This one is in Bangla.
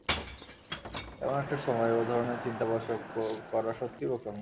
এমন একটা সময়ে ও ধরনের চিন্তা বা শোক করা সত্যিই বোকামি।